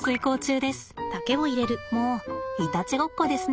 もういたちごっこですね。